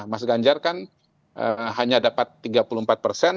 mas ganjar kan hanya dapat tiga puluh empat persen